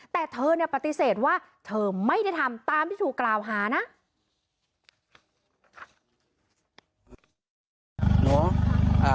แต่เธอเนี่ยปฏิเสธว่าเธอไม่ได้ทำตามที่ถูกกล่าวหานะ